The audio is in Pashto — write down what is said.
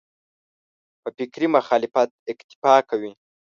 په فکري مخالفت اکتفا کوي.